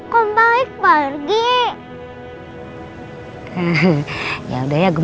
korn balik pargi